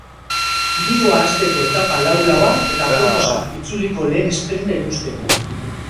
Giroa hasteko etapa lau-laua eta aproposa itzuliko lehen esprinta ikusteko.